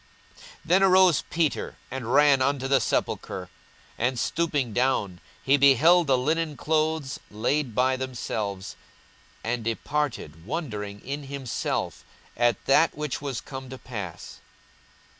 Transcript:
42:024:012 Then arose Peter, and ran unto the sepulchre; and stooping down, he beheld the linen clothes laid by themselves, and departed, wondering in himself at that which was come to pass.